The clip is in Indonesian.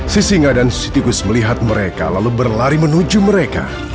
sisinga dan si tikus melihat mereka lalu berlari menuju mereka